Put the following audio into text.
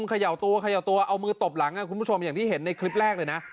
เขย่าตัวเขย่าตัวเอามือตบหลังคุณผู้ชมอย่างที่เห็นในคลิปแรกเลยนะ